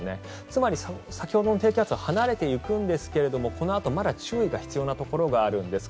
つまり先ほどの低気圧離れていくんですがこのあと、まだ注意が必要なところがあるんです。